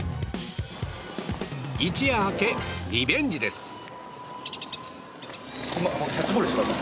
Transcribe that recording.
一夜明け、リベンジです。